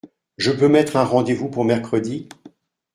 Je peux mettre un rendez-vous pour mercredi ?